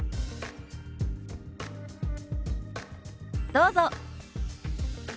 どうぞ。